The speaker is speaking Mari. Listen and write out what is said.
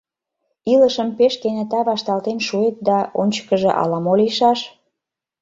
Илышым пеш кенета вашталтен шуэт да, ончыкыжо ала-мо лийшаш...